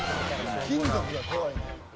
「金属が怖いねん。